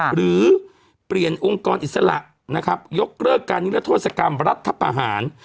หรือเปลี่ยนองค์กรอิสระยกเลิกการนิยาโทษกรรมรัฐภาษณ์